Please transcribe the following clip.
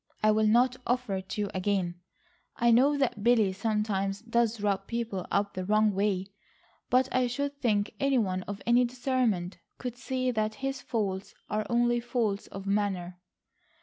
I will not offer it to you again. I know that Billy sometimes does rub people up the wrong way, but I should think any one of any discernment could see that his faults are only faults of manner."